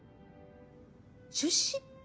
出資？